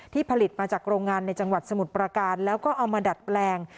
ผลิตมาจากโรงงานในจังหวัดสมุทรประการแล้วก็เอามาดัดแปลง